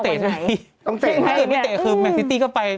แต่อย่างนี้ก็ต้องเตะใช่ไหมให้อื่นไม่เตะคือแหม่นทิตย์เข้าไป